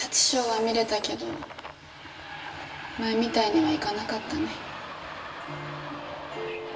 ショーは見れたけど前みたいにはいかなかったね